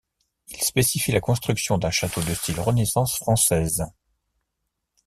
Il spécifie la construction d'un château de style Renaissance française.